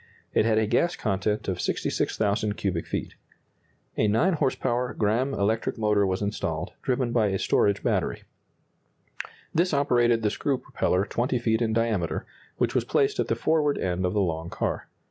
It had a gas content of 66,000 cubic feet. A 9 horse power Gramme electric motor was installed, driven by a storage battery. This operated the screw propeller 20 feet in diameter, which was placed at the forward end of the long car.